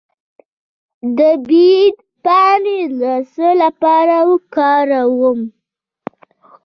د بید پاڼې د څه لپاره وکاروم؟